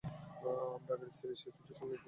আমার আগের স্ত্রী সে ছুটির সময় ক্লাব মেডে নিয়ে যেতো।